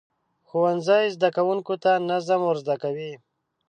ښوونځی زده کوونکو ته نظم ورزده کوي.